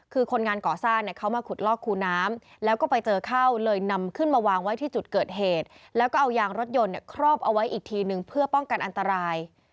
คือคนงานก่อสร้างเนี่ยเขามาขุดลอกคูน้ำแล้วก็ไปเจอเข้าเลยนำขึ้นมาวางไว้ที่จุดเกิดเหตุแล้วก็เอายางรถยนต์ครอบเอาไว้อีกทีนึงเพื่อป้องกันอันตราย